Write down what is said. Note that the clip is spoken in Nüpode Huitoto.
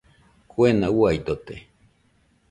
Kuena uaidote.